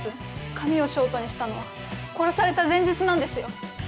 髪をショートにしたのは殺された前日なんですよ。